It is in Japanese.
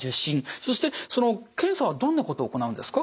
そして検査はどんなことを行うんですか？